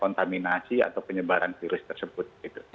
karena itu menghindari dari penyebaran virus tersebut